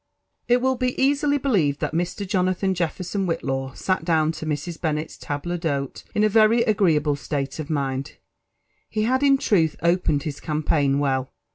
It will be easily believed that Mr. Jonathan Jefferson Whitlaw sat down to Mrs. Bennet's tdbh d'kote in a very agreeable state of mind. Be had, in truth, opened his compaign well.